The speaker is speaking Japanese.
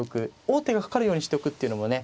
王手がかかるようにしておくっていうのもね